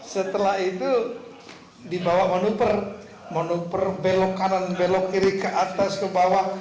setelah itu dibawa manuver manuver belok kanan belok kiri ke atas ke bawah